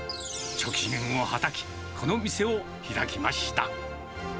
貯金をはたき、この店を開きました。